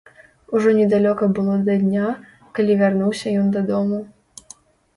Ужо недалёка было да дня, калі вярнуўся ён дадому.